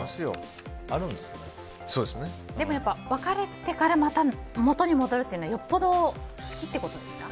でもやっぱり別れてから元に戻るってよっぽど好きってことですか？